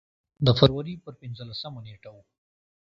د فبروري پر پنځلسمه نېټه و.